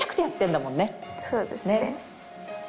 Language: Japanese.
そうですね。